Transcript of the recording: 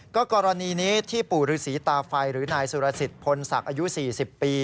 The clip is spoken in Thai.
ก็กรณีนี้ที่ปู่ฤษีตาไฟหรือนายสุรสิทธิพลศักดิ์อายุ๔๐ปี